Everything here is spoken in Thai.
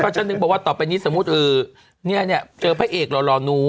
ก็ฉันบอกว่าต่อไปนี้สมมุติเออเนี่ยเจอพระเอกรอหนู